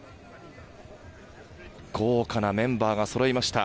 豪華なメンバーがそろいました